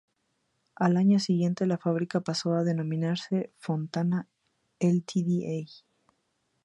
Al año siguiente la fábrica pasó a denominarse Fontana Ltda.